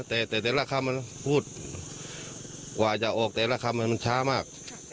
แต่แต่ละคำมันพูดกว่าจะออกแต่ละคำมันช้ามาก